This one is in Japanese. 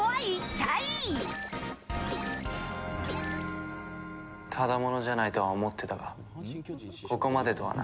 ただ者じゃないとは思ってたがここまでとはな。